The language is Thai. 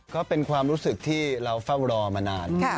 ก็เป็นความรู้สึกที่เราเฝ้ารอมานาน